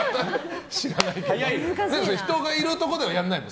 人がいるところではやらないの？